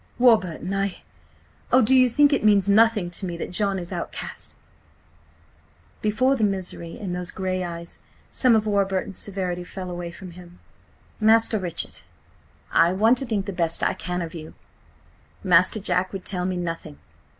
"Warburton, I— Oh, do you think it means nothing to me that John is outcast?" Before the misery in those grey eyes some of Warburton's severity fell away from him. "Master Richard, I want to think the best I can of you. Master Jack would tell me nothing.